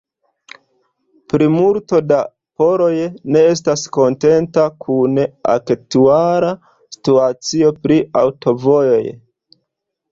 Plimulto da poloj ne estas kontenta kun aktuala situacio pri aŭtovojoj.